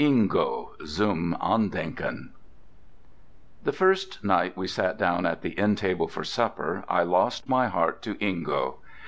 INGO "ZUM ANDENKEN" The first night we sat down at the inn table for supper I lost my heart to Ingo!